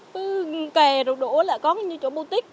cứ kè rụt đổ là có như chỗ bô tích